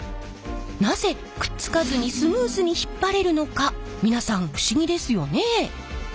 なぜくっつかずにスムーズにひっぱれるのか皆さん不思議ですよね？